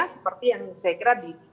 seperti yang saya kira di